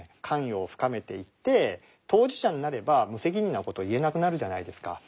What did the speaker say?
関与を深めていって当事者になれば無責任な事を言えなくなるじゃないですか。